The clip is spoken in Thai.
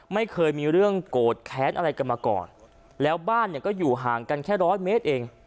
ไม่เคยมีเรื่องโกรธแค้นอะไรกันมาก่อนแล้วบ้านเนี่ยก็อยู่ห่างกันแค่ร้อยเมตรเอง